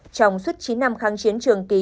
trong suốt chín năm kháng chiến trường kỳ